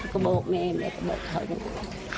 ก็บอกแม่แม่ก็บอกเขาอยู่ด้วย